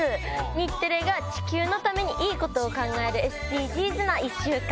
日テレが地球のためにいいことを考えるＳＤＧｓな１週間。